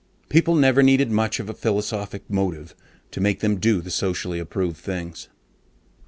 People never needed much of a philosophic motive to make them do the socially approved things.